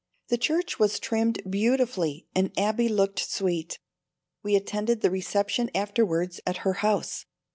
The church was trimmed beautifully and Abbie looked sweet. We attended the reception afterwards at her house.